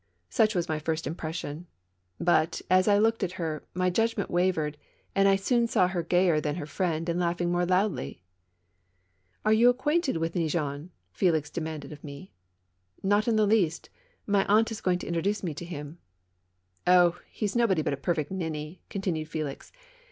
Such was my first impression. But, as I looked at her, my judgment wavered, and I soon saw her gayer than her friend and laughing more loudly. " Are you acquainted with Neigeon? " F^lix demanded of me. " Not in the least. My aunt is going to introduce me to him." " Oh ! he's nobody, a perfect ninny," continued Felix.